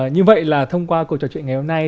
như vậy là thông qua cuộc trò chuyện ngày hôm nay